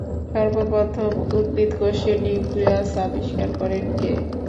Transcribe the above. সর্বপ্রথম উদ্ভিদকোষে নিউক্লিয়াস আবিষ্কার করেন কে?